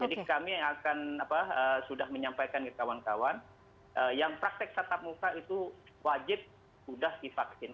jadi kami akan sudah menyampaikan ke kawan kawan yang praktek tatap muka itu wajib sudah divaksin